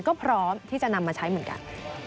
ก็พร้อมที่จะนำมาใช้เหมือนกัน